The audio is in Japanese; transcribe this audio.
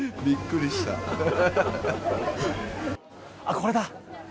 これだ。